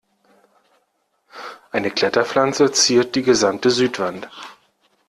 Eine Kletterpflanze ziert die gesamte Südwand.